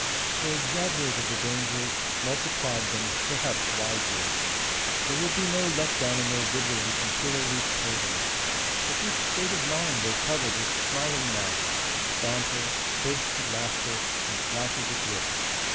They exaggerated the dangers, multiplied them; perhaps wisely. There would be no let down in their vigilance until they reached haven. But this state of mind they covered with smiling masks, banter, bursts of laughter, and flashes of wit.